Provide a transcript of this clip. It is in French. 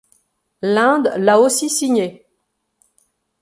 L'Inde l'a aussi signé.